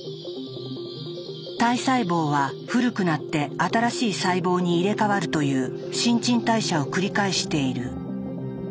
体細胞は古くなって新しい細胞に入れ代わるという新陳代謝を繰り返している。